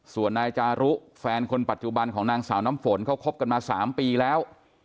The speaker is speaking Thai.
ส่วนนายจารุแฟนคนปัจจุบันของนางสาวน้ำฝนเขาคบกันมา๓ปีแล้ว